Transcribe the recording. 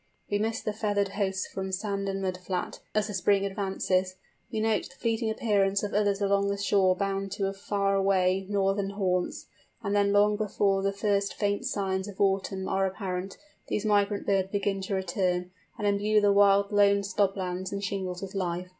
We miss the feathered hosts from sand and mud flat as the spring advances; we note the fleeting appearance of others along the shore bound to far away northern haunts: and then long before the first faint signs of autumn are apparent these migrant birds begin to return, and imbue the wild lone slob lands and shingles with life.